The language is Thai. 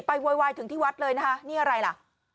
โวยวายถึงที่วัดเลยนะคะนี่อะไรล่ะ